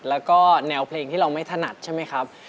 แล้วก็แนวเพลงที่เราไม่ถนัดใช่ไหมครับ